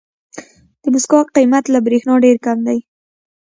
د موسکا قیمت له برېښنا ډېر کم دی.